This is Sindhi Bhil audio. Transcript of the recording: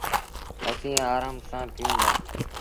اسيٚݩ آرآم سآݩ پيٚئون دآ۔